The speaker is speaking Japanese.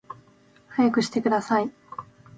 速くしてください